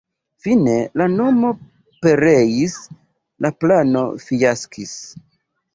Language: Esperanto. Fine la mono pereis, la plano fiaskis.